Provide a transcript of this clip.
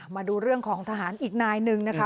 มาดูเรื่องของทหารอีกนายหนึ่งนะคะ